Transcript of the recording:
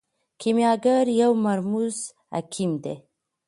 کیمیاګر یو مرموز حکیم دی.